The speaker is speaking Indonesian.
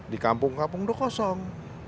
di kampung kampung udah kosong